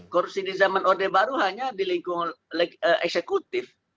korupsi di zaman orde baru hanya di lingkungan eksekutif